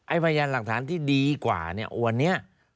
พยานหลักฐานที่ดีกว่าเนี่ยวันนี้